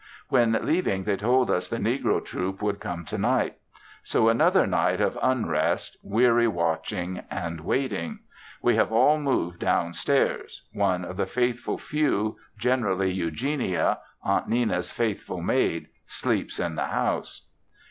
When leaving, they told us the negro troop would come tonight! So, another night of unrest, weary watching and waiting! We have all moved downstairs one of the faithful few, generally Eugenia, Aunt Nenna's faithful maid, sleeps in the house.